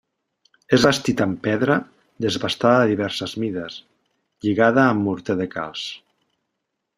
És bastit amb pedra desbastada de diverses mides, lligada amb morter de calç.